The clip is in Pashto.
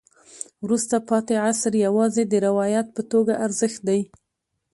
وروسته پاتې عصر یوازې د روایت په توګه د ارزښت دی.